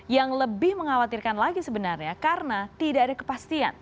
yang lebih mengkhawatirkan lagi sebenarnya karena tidak ada kepastian